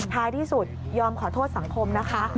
ท้ายที่สุดยอมขอโทษสังคมนะคะ